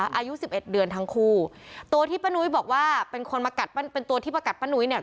อายุสิบเอ็ดเดือนทั้งคู่ตัวที่ป้านุ้ยบอกว่าเป็นคนมากัดป้าเป็นตัวที่ประกัดป้านุ้ยเนี่ย